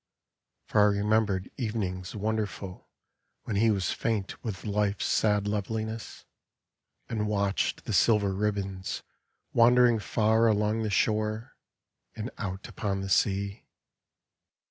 For I remembered evenings wonderful When he was faint with Life's sad loveliness, And watched the silver ribbons wandering far Along the shore, and out upon the sea.